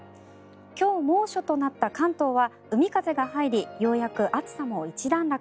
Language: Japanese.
今日猛暑となった関東は海風が入りようやく暑さも一段落。